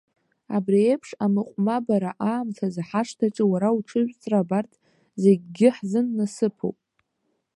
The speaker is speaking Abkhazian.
Абри еиԥш амыҟәмабара аамҭазы ҳашҭаҿы уара уҽыжәҵра абарҭ зегьгьы ҳзын насыԥуп!